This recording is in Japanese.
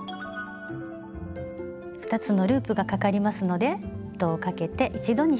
２つのループがかかりますので糸をかけて一度に引き抜きます。